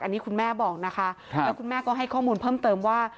อันนี้คุณแม่บอกนะคะแล้วคุณแม่ก็ให้ข้อมูลเพิ่มเติมว่า